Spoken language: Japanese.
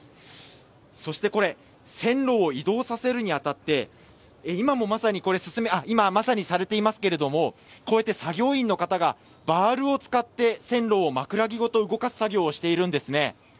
線路を移動させるに当たって今、まさにされていますけれども、こうやって作業員の方がバールを使って線路を枕木ごと動かす作業をしているんですね。